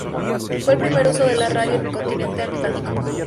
Fue el primer uso de la radio en el continente antártico.